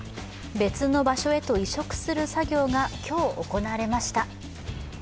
別の場所へと移植する作業が今日行われました。